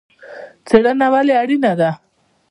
څیړنه ولې اړینه ده؟